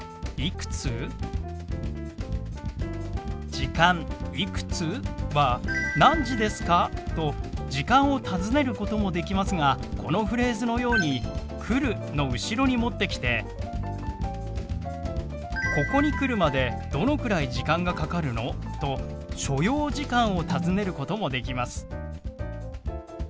「時間いくつ？」は「何時ですか？」と時間を尋ねることもできますがこのフレーズのように「来る」の後ろに持ってきて「ここに来るまでどのくらい時間がかかるの？」と所要時間を尋ねることもできます。